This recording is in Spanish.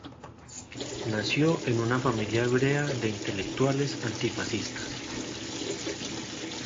Nació en una familia hebrea de intelectuales antifascistas.